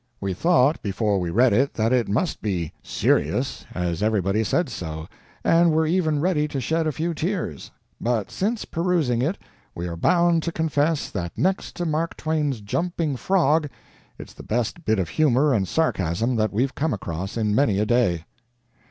We thought before we read it that it must be "serious," as everybody said so, and were even ready to shed a few tears; but since perusing it, we are bound to confess that next to Mark Twain's "Jumping Frog" it's the finest bit of humor and sarcasm that we've come across in many a day.